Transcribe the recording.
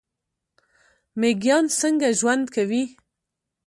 میږیان څنګه ژوند کوي؟